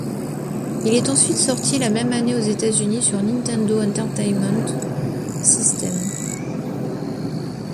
Il est ensuite sorti la même année aux États-Unis sur Nintendo Entertainment System.